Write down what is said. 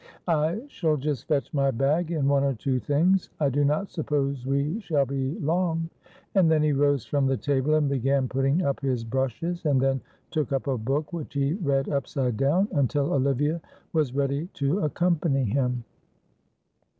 "I shall just fetch my bag and one or two things; I do not suppose we shall be long." And then he rose from the table and began putting up his brushes, and then took up a book, which he read upside down, until Olivia was ready to accompany him.